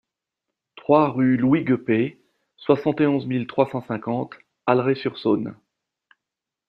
trois rue Louis Guepey, soixante et onze mille trois cent cinquante Allerey-sur-Saône